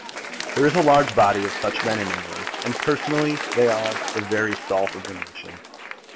There is a large body of such men in England, and, personally, they are the very salt of the nation.